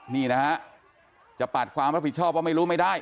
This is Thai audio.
นี่นะฮะจะปัดความรับผิดชอบว่าไม่รู้ไม่ได้